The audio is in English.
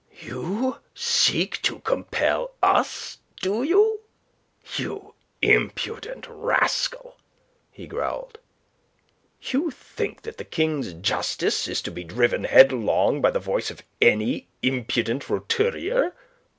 "You seek to compel us, do you, you impudent rascal?" he growled. "You think the King's justice is to be driven headlong by the voice of any impudent roturier?